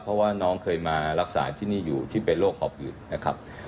เพราะว่าน้องเคยมารักษาที่นี่อยู่ที่เป็นโรคหอบอื่นนะครับ